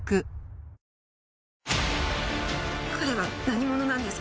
彼は何者なんですか？